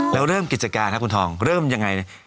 แล้วเริ่มกิจการครับคุณทองเริ่มยังไง